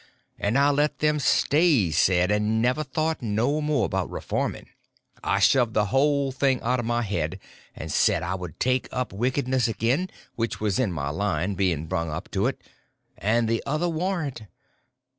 And I let them stay said; and never thought no more about reforming. I shoved the whole thing out of my head, and said I would take up wickedness again, which was in my line, being brung up to it, and the other warn't.